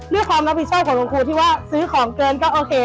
ด้วยความรับผิดชอบของคุณครูที่ว่าซื้อของเกินก็โอเค